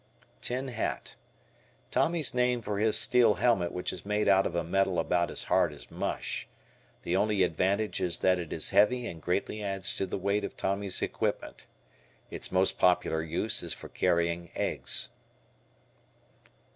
"Tin Hat." Tommy's name for his steel helmet which is made out of a metal about as hard as mush. The only advantage is that it is heavy and greatly adds to the weight of Tommy's equipment. Its most popular use is for carrying eggs.